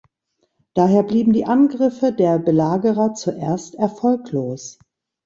Daher blieben die Angriffe der Belagerer zuerst erfolglos.